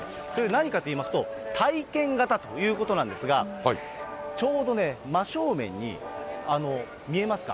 何かといいますと、体験型ということなんですが、ちょうどね、真正面に見えますか？